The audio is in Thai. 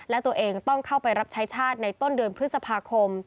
และตัวเองต้องเข้าไปรับใช้ชาติในต้นเดือนพฤษภาคม